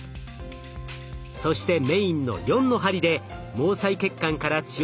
そしてメインの４の針で毛細血管から血を吸い上げます。